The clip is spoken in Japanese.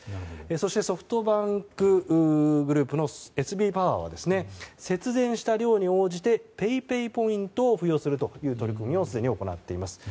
そしてソフトバンクグループのＳＢパワーは節電した量に応じてＰａｙＰａｙポイントを付与するという取り組みをすでに行っています。